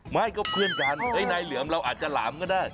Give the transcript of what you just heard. ไม่ก็เพื่อนกันนายเหลือมเราอาจจะหลามก็ได้